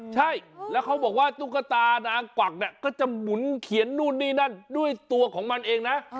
ใช่แล้วเขาบอกว่าตุ๊กตานางกวักเนี่ยก็จะหมุนเขียนนู่นนี่นั่นด้วยตัวของมันเองนะ